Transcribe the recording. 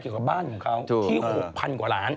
เกี่ยวกับบ้านของเขาที่๖๐๐กว่าล้าน